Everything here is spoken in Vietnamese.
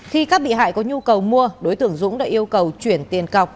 khi các bị hại có nhu cầu mua đối tượng dũng đã yêu cầu chuyển tiền cọc